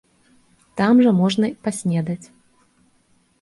Там жа можна паснедаць.